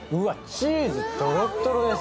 チーズ、とろっとろです。